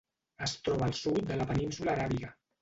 Es troba al sud de la Península Aràbiga.